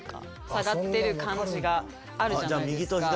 下がってる感じがあるじゃないですか。